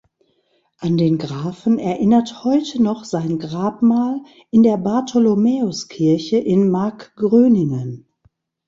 An den Grafen erinnert heute noch sein Grabmal in der Bartholomäuskirche in Markgröningen.